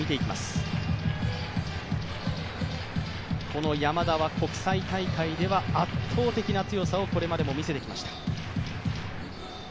この山田は国際大会では圧倒的な強さをこれまでも見せてきました。